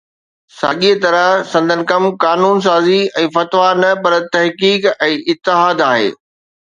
ساڳيءَ طرح سندن ڪم قانون سازي ۽ فتويٰ نه پر تحقيق ۽ اجتهاد آهي